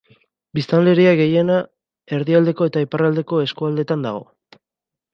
Biztanleria gehiena erdialdeko eta iparraldeko eskualdetan dago.